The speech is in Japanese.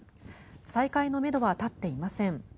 再開のめどは立っていません。